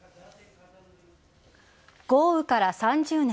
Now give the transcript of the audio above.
豪雨から３０年。